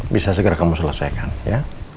bisa segera kamu selesaikan ya